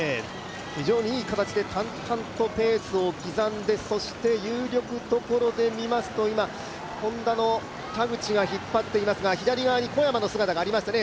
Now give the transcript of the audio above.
非常にいい形で、淡々とペースを刻んでそして有力どころで見ますと、Ｈｏｎｄａの田口が引っ張っていますが左側に小山の姿がありますね。